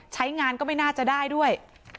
ใช้งานก็ไม่น่าจะได้ด้วย